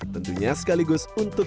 tentunya sekaligus untuk